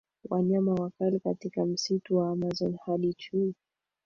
Wanyama wakali katika msitu wa Amazon Hadi chui